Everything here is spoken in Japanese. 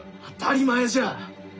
当たり前じゃ。